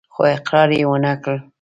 خو اقرار يې ونه کړ.